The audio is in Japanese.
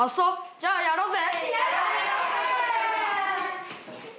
じゃあやろうぜ。